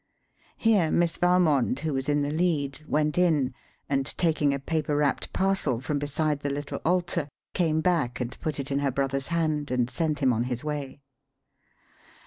Here Miss Valmond, who was in the lead, went in, and, taking a paper wrapped parcel from beside the little altar, came back and put it in her brother's hand and sent him on his way.